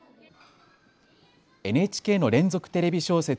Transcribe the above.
ＮＨＫの連続テレビ小説